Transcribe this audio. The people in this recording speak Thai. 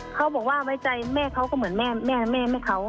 เขาบอกว่าไว้ใจแม่เขาก็เหมือนแม่แม่เขา